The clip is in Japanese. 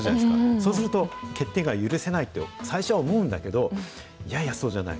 そうすると、欠点が許せないと最初は思うんだけど、いやいや、そうじゃない。